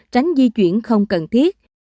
tránh di chuyển không cần thiết